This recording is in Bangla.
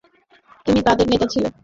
তুমি তাদের নেতা ছিলে।